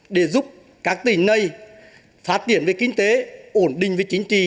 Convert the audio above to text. để giúp các tỉnh này phát triển về kinh tế ổn định về chính trị